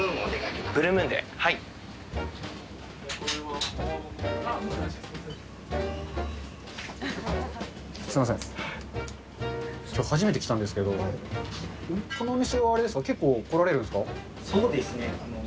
きょう、初めて来たんですけど、このお店はあれですか、結構、そうですね。